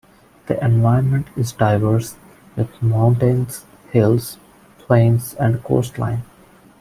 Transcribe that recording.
The environment is diverse, with mountains, hills, plains and coastline.